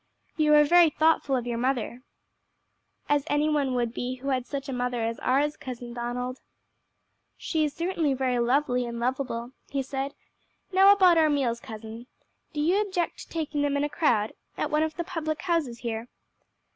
"You are very thoughtful of your mother." "As any one would be who had such a mother as ours, Cousin Donald." "She is certainly very lovely and lovable," he said. "Now about our meals, cousin. Do you object to taking them in a crowd? at one of the public houses here?"